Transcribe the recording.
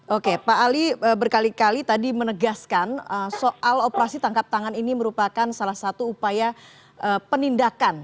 oke pak ali berkali kali tadi menegaskan soal operasi tangkap tangan ini merupakan salah satu upaya penindakan